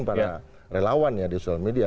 para relawan ya di sosial media